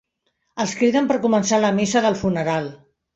Els criden per començar la missa del funeral.